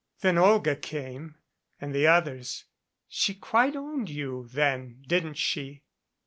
"Then Olga came and the others. She quite owned you, then, didn't she?"